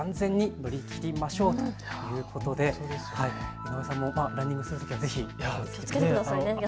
井上さんもランニングするときは気をつけてください。